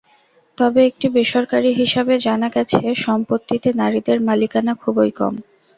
তবে একটি বেসরকারি হিসাবে জানা গেছে, সম্পত্তিতে নারীদের মালিকানা খুবই কম।